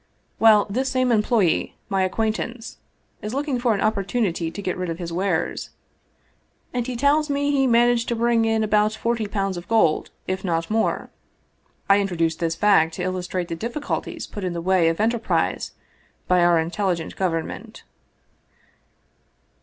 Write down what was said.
Well, this same employee, my acquaintance, is looking for an oppor tunity to get rid of his wares. And he tells me he man aged to bring in about forty pounds of gold, if not more. I introduce this fact to illustrate the difficulties put in the way of enterprise by our intelligent government."